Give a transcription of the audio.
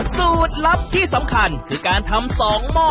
สูตรลับที่สำคัญคือการทำ๒หม้อ